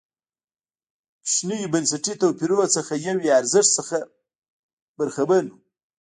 کوچنیو بنسټي توپیرونو څخه یو یې ارزښت څخه برخمن و.